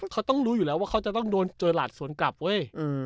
เขาต้องรู้อยู่แล้วว่าเขาจะต้องโดนเจอหลาดสวนกลับเว้ย